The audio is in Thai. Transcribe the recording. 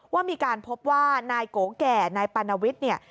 ว่ามีการพบว่านายโกแก่นายปัณวิทย์